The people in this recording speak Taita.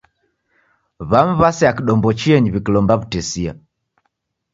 W'amu w'asea kidombo chienyi w'ikilomba w'utesia.